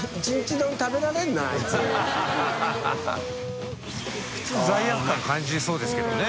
戸次）普通罪悪感感じそうですけどね。